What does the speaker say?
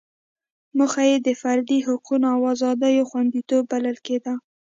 موخه یې د فردي حقوقو او ازادیو خوندیتوب بلل کېده.